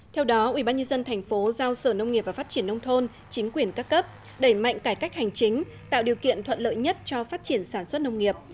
theo đó ubnd tp giao sở nông nghiệp và phát triển nông thôn chính quyền các cấp đẩy mạnh cải cách hành chính tạo điều kiện thuận lợi nhất cho phát triển sản xuất nông nghiệp